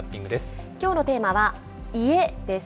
・きょうのテーマは、家です。